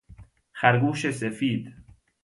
خر گوش سفید